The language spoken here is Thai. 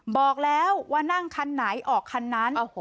บอกแล้วว่านั่งคันไหนออกคันนั้น